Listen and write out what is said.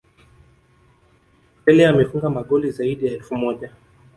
Pele amefunga magoli zaidi ya elfu moja